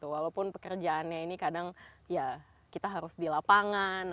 walaupun pekerjaannya ini kadang ya kita harus di lapangan